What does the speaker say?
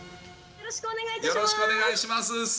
よろしくお願いします。